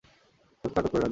সোহেলকে আটক করে র্যাব।